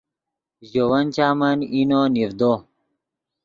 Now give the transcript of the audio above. ژے ون چامن اینو نیڤدو